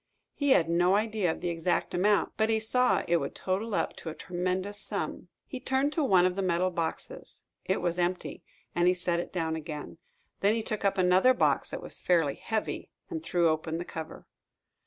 He had no idea of the exact amount, but saw that it would total up to a tremendous sum. He turned to one of the metal boxes. It was empty, and he set it down again. Then he took up another box that was fairly heavy, and threw open the cover.